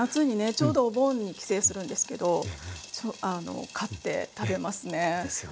ちょうどお盆に帰省するんですけど買って食べますね。ですよね。